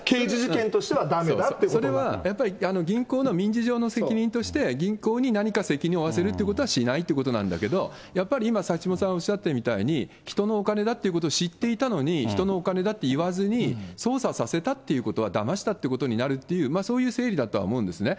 だけど、それは、銀行の民事上の責任として、銀行に何か責任を負わせるということはしないってことなんだけど、やっぱり今、橋下さんおっしゃったみたいに、人のお金だっていうことを知っていたのに、人のお金だって言わずに、操作させたっていうことは、だましたっていうことになるっていう、そういう整理だとは思うんですね。